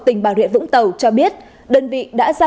tỉnh bà rịa vũng tàu cho biết đơn vị đã ra